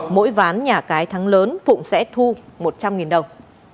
mỗi ván nhà cái thắng lớn phụng sẽ thu một trăm linh đồng